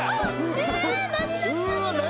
え何？